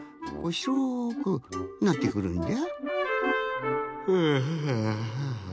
しょくなってくるんじゃ。